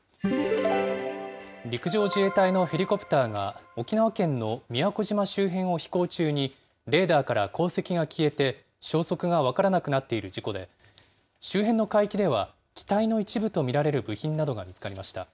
陸上自衛隊のヘリコプターが、沖縄県の宮古島周辺を飛行中に、レーダーから航跡が消えて、消息が分からなくなっている事故で、周辺の海域では、機体の一部と見られる部品などが見つかりました。